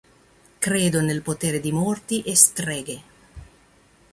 Credo nel potere di morti e streghe.